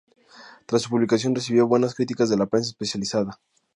Tras su publicación recibió buenas críticas de la prensa especializada.